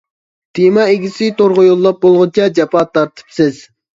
تېما ئىگىسى تورغا يوللاپ بولغۇچە جاپا تارتىپسىز!